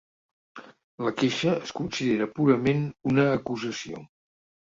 La queixa es considera purament una acusació.